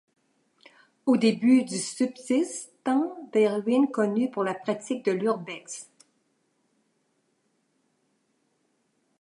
Au début du subsistent des ruines connues pour la pratique de l'urbex.